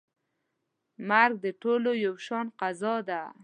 مرګ د ټولو یو شان قضا ده.